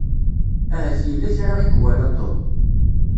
Ahat yella kra i iwala Tom.